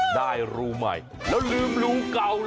ได้รูใหม่แล้วลืมรูเก่าหรอ